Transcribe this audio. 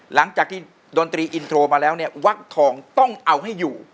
หลังจากที่ดนตรีอินโทรมาแล้วเนี่ยวักทองต้องเอาให้อยู่